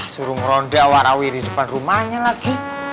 suruh ngeronde warawi di depan rumahnya lagi